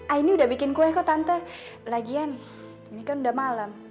aini sudah membuat kue kok tante lagian ini kan sudah malam